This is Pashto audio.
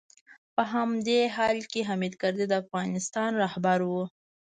په همدې حال کې حامد کرزی د افغانستان رهبر و.